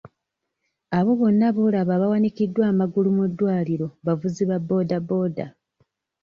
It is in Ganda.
Abo bonna b'olaba abawanikiddwa amagulu mu ddwaliro bavuzi ba boda boda.